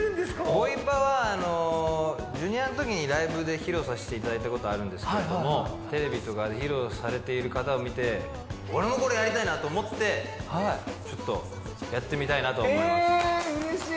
ボイパはあのＪｒ．のときにライブで披露させていただいたことあるんですけどもテレビとかで披露されている方を見て思ってちょっとやってみたいなと思いますえ嬉しい！